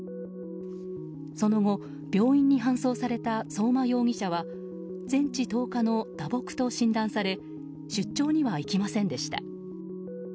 その後、病院に搬送された相馬容疑者は全治１０日の打撲と診断され出張には行きませんでした。